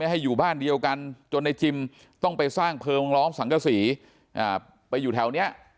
ให้อยู่บ้านเดียวกันจนในจิมต้องไปสร้างเพลิงล้อมสังกษีไปอยู่แถวนี้